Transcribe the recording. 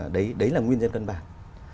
đấy là nguyên nhân cân bản